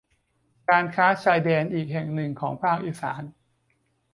การค้าชายแดนอีกแห่งหนึ่งของภาคอีสาน